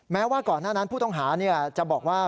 แม้ว่าก่อนหน้านั้นผู้ต้องหาจะบอกว่า